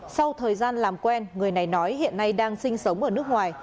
sau thời gian làm quen người này nói hiện nay đang sinh sống ở nước ngoài